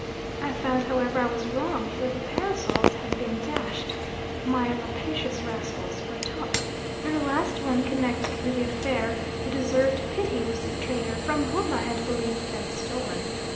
I found, however, I was wrong, for the parasols had been "dashed" my rapacious rascals "for top," and the last one connected with the affair who deserved pity was the trader from whom I had believed them stolen.